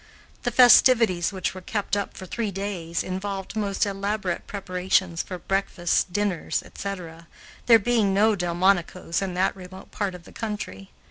The festivities, which were kept up for three days, involved most elaborate preparations for breakfasts, dinners, etc., there being no Delmonico's in that remote part of the country.